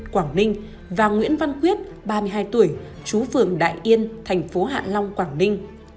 quảng ninh và nguyễn văn quyết ba mươi hai tuổi chú phường đại yên thành phố hạ long quảng ninh